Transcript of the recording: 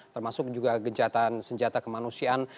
termasuk juga gejatan senjata kemanusiaan